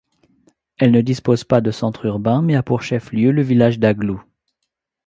Elle ne dispose pas de centre urbain mais a pour chef-lieu le village d'Aglou.